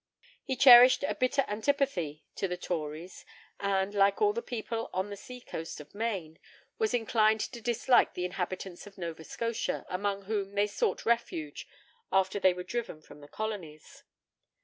He cherished a bitter antipathy to the Tories, and, like all the people on the sea coast of Maine, was inclined to dislike the inhabitants of Nova Scotia, among whom they sought refuge after they were driven from the colonies.